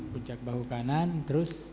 pergelangan tangan kiri